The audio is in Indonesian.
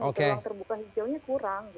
ruang terbuka hijaunya kurang